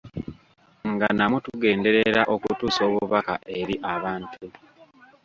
Nga namwo tugenderera okutuusa obubaka eri abantu.